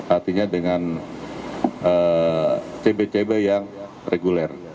artinya dengan cb cb yang reguler